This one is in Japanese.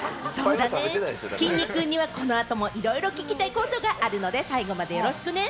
きんに君にはいろいろ聞きたいこともあるので、最後までよろしくね。